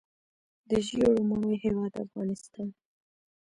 د ژیړو مڼو هیواد افغانستان.